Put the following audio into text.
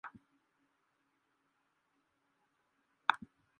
Maria wa Mt.